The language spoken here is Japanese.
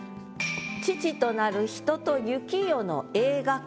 「父となる人と雪夜の映画館」。